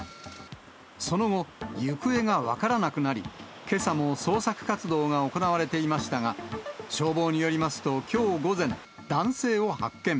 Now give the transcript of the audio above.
その後、行方が分からなくなり、けさも捜索活動が行われていましたが、消防によりますと、きょう午前、男性を発見。